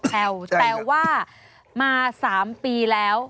แต่ว่ามา๓ปีแล้ว